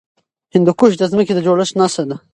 هندوکش د ځمکې د جوړښت نښه ده.